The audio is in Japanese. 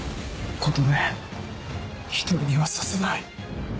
琴音１人にはさせない。